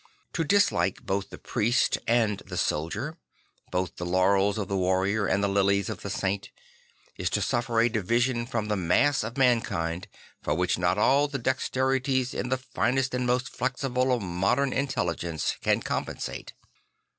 To dislike both the priest and the soldier, both the laurels of the warrior and the lilies of the saint, is to suffer a division from the mass of mankind for which not all the dexterities of the finest and most flexible of modem intelligences can compensate.